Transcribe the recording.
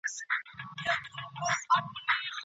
په قلم لیکنه کول د زده کوونکي پر ذهن د علم رڼا اچوي.